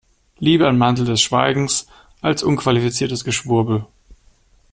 Lieber ein Mantel des Schweigens als unqualifiziertes Geschwurbel.